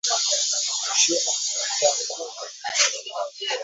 Shina ta kulé